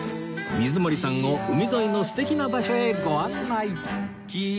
水森さんを海沿いの素敵な場所へご案内